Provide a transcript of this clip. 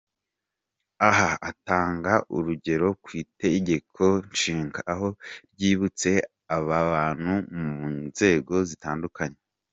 Aha atanga urugero ku itegeko nshinga, aho ryibutse aba bantu mu nzego zitandukanye.